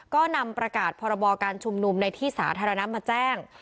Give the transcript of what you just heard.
ก็นำประกาศพรบการชุมนุมในที่สาธารณะมาแจ้ง